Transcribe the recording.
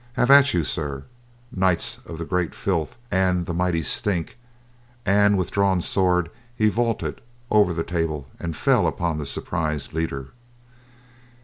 Have at you, sir knights of the great filth and the mighty stink!" and with drawn sword he vaulted over the table and fell upon the surprised leader.